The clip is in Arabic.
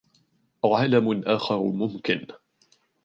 عالم آخر ممكن.